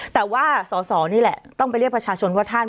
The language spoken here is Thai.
แต่ว่าสอสอนี่แหละต้องไปเรียกประชาชนว่าท่าน